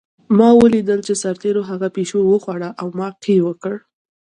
ما ولیدل چې سرتېرو هغه پیشو وخوړه او ما قی وکړ